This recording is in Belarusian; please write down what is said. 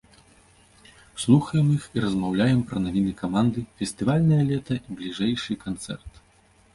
Слухаем іх і размаўляем пра навіны каманды, фестывальнае лета і бліжэйшы канцэрт.